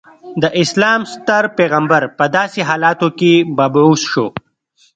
د اسلام ستر پیغمبر په داسې حالاتو کې مبعوث شو.